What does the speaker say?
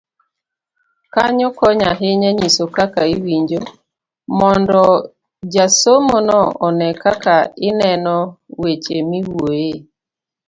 Kanyo konyo ahinya nyiso kaka iwinjo , mondo jasomono one kaka ineno weche miwuoyoe.